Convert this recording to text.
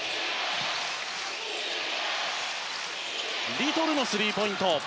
リトルのスリーポイント。